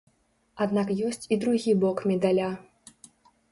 Аднак ёсць і другі бок медаля.